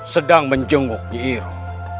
sedang menjenguk nyi iroh